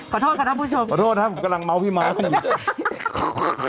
ขอโทษครับคุณผู้ชมขอโทษครับผมกำลังเมาส์พี่ม้ากันอยู่